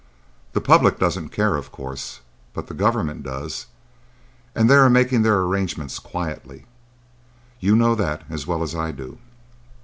The public doesn't care, of course, but the government does, and they are making their arrangements quietly. You know that as well as I do."